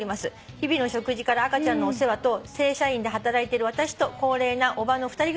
日々の食事から赤ちゃんのお世話と正社員で働いている私と高齢なおばの２人暮らし。